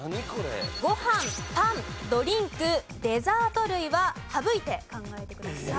ご飯パンドリンクデザート類は省いて考えてください。